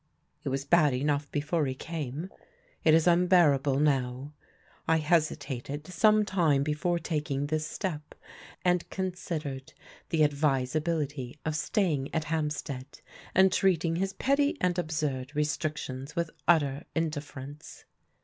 It was bad enough before he came, it is unbearable now. I hesi tated some time before taking this step, and considered the advisability of staying at Hampstead and treating his petty and absurd restrictions with utter indifference.